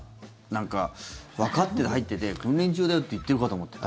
なんか、わかって入ってて訓練中だよと言ってるかと思って。